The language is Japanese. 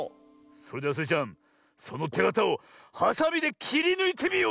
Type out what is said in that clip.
それではスイちゃんそのてがたをはさみできりぬいてみよ！